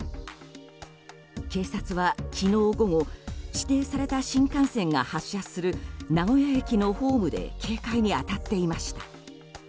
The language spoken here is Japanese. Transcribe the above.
警察は昨日午後指定された新幹線が発車する名古屋駅のホームで警戒に当たっていました。